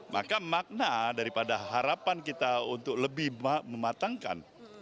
maka makna daripada harapan kita untuk lebih mematangkan